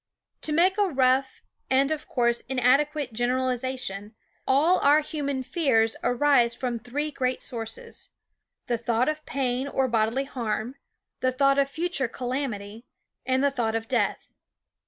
yv To make a rough and of course inadequate generalization, all our human fears arise from three great sources : the thought of pain or bodily harm, the thought of future calamity, and the thought of death.